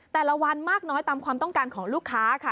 แต่ละวันมากน้อยตามความต้องการของลูกค้าค่ะ